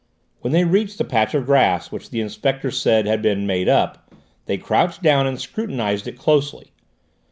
When they reached the patch of grass which the inspector said had been "made up," they crouched down and scrutinised it closely.